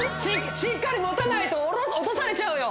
しっかり持たないと落とされちゃうよ